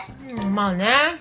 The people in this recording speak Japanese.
まあね。